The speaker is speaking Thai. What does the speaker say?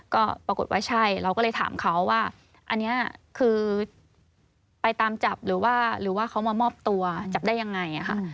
ก็ปรากฏว่าใช่เราก็เลยถามเขาว่าอันนี้คือไปตามจับหรือว่าหรือว่าเขามามอบตัวจับได้ยังไงค่ะ